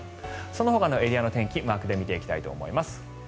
そのほかのエリアの天気マークで見ていきたいと思います。